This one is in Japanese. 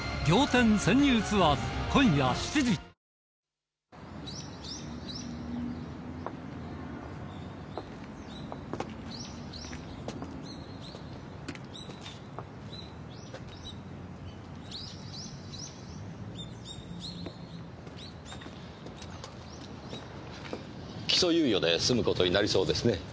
わかるぞ起訴猶予で済む事になりそうですね。